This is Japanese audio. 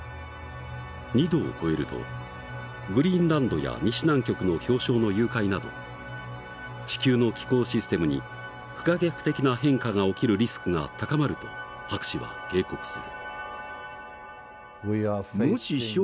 ２℃を超えるとグリーンランドや西南極の氷床の融解など地球の気候システムに不可逆的な変化が起きるリスクが高まると博士は警告する。